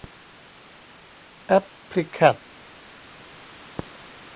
แอพพลิแคด